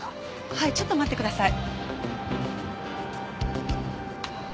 はいちょっと待ってください。